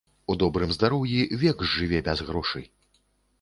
У добрым здароўі век зжыве без грошы!